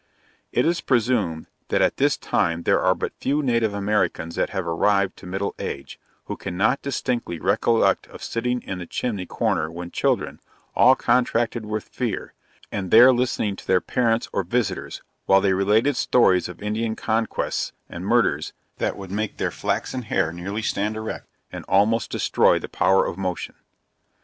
It is presumed that at this time there are but few native Americans that have arrived to middle age, who cannot distinctly recollect of sitting in the chimney corner when children, all contracted with fear, and there listening to their parents or visitors, while they related stories of Indian conquests, and murders, that would make their flaxen hair nearly stand erect, and almost destroy the power of motion.